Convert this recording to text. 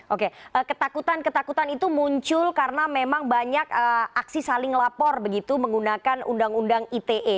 oke ketakutan ketakutan itu muncul karena memang banyak aksi saling lapor begitu menggunakan undang undang ite